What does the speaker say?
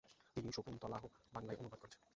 তিনি শকুন্তলাও বাংলায় অনুবাদ করেছেন।